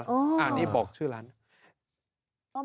อันนี้บอกชื่อร้านนะ